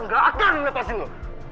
gak akan lepasin lu